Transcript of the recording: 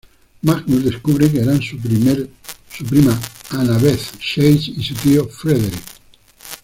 Magnus descubre que eran su prima Annabeth Chase y su tío Frederick.